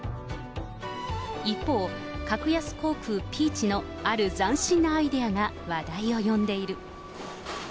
一方、格安航空、Ｐｅａｃｈのある斬新なアイデアが話題を呼んでいる。